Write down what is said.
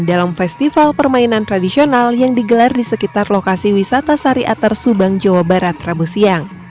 dalam festival permainan tradisional yang digelar di sekitar lokasi wisata sari atar subang jawa barat rabu siang